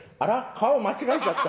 顔、間違えちゃった。